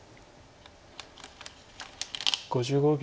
５５秒。